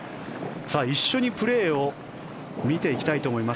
一緒にプレーを見ていきたいと思います。